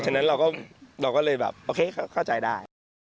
ฉะนั้นเราก็เลยแบบโอเคเข้าใจได้